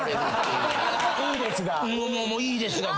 「いいです」が。